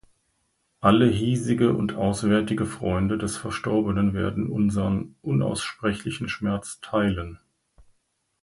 Alle hiesige und auswärtige Freunde des Verstorbenen werden unsern unaussprechlichen Schmerz theilen.